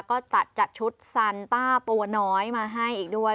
ก็จัดชุดซันต้าตัวน้อยมาให้อีกด้วย